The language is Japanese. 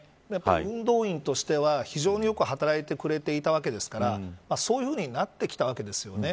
運動員としては非常によく働いてくれていたわけですからそういうふうになってきたわけですよね。